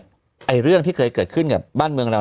ไอ้เรื่องที่เคยเกิดขึ้นกับบ้านเมืองเรา